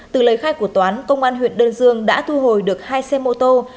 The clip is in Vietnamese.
từ lời khai của toán công an huyện đơn dương đã thu hồi được hai xe mô tô